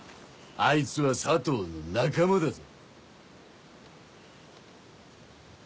あいつは佐藤の仲間だぞ。